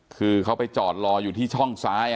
คือเขาไปจอดรออยู่ที่ช่องซ้าย